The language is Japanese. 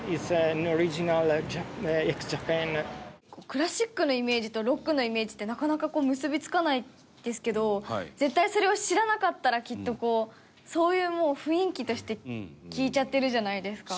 クラシックのイメージとロックのイメージってなかなかこう結び付かないですけど絶対それを知らなかったらきっとこうそういうもう雰囲気として聴いちゃってるじゃないですか。